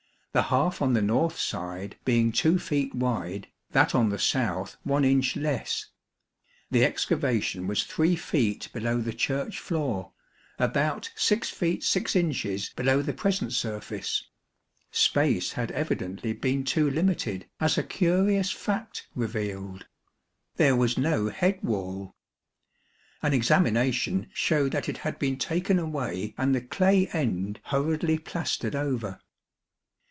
The half on the north side being 2 feet wide, that on the south one inch less. The excavation was three feet below the Church floor; about 6 feet 6 inches below the present surface. Space had evidently been too limited, as a curious fact revealed. There was no head wall, an examination showed that it had been taken away and the clay end hurriedly plastered over.